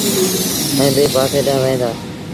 ائيٚݩ ٻي پآسي ڏآنهن وهيݩ دآ۔